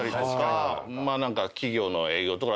何か。